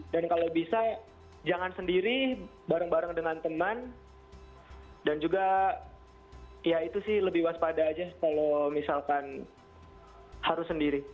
dan kalau bisa jangan sendiri bareng bareng dengan teman dan juga ya itu sih lebih waspada aja kalau misalkan harus sendiri